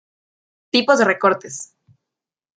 Tipos de recortes.